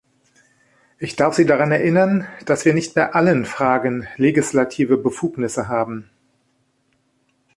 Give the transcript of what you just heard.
Ich darf Sie daran erinnern, dass wir nicht bei allen Fragen legislative Befugnisse haben.